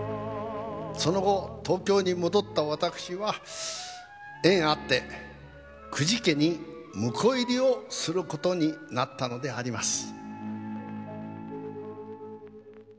「その後東京に戻ったわたくしは縁あって久慈家に婿入りをする事になったのであります」